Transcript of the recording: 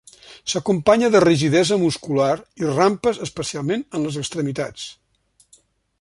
S'acompanya de rigidesa muscular i rampes especialment en les extremitats.